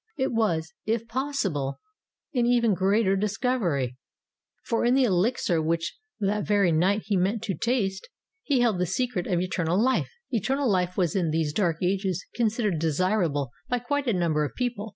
It was, if pos sible, an even greater discovery, for in the elixir which that very night he meant to taste he held the secret of eternal life. Eternal life was in these dark 'ages considered desirable by quite a number of people.